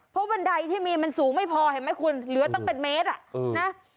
เพราะบันไดที่มีมันสูงไม่พอเห็นไหมคุณเหลือตั้งเป็นเมตรอ่ะนะ